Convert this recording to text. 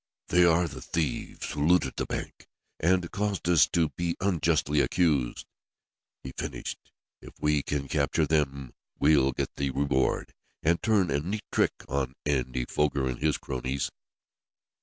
"They are the thieves who looted the bank, and caused us to be unjustly accused," he finished. "If we can capture them we'll get the reward, and turn a neat trick on Andy Foger and his cronies."